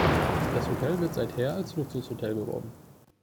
Das Hotel wird seither als Luxushotel beworben.